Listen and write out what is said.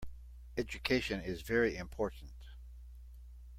Education is very important.